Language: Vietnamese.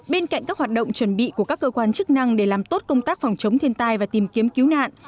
bên cạnh các hoạt động chuẩn bị của các cơ quan chức năng để làm tốt công tác phòng chống thiên tai và tìm kiếm cứu nạn